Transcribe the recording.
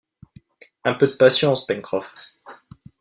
Un peu de patience, Pencroff